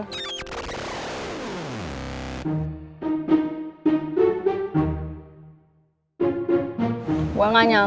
jadi lo beneran punya mantan